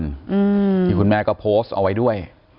อืมที่คุณแม่ก็โพสต์เอาไว้ด้วย